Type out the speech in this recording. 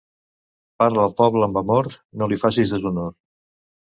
Parla al pobre amb amor, no li facis deshonor.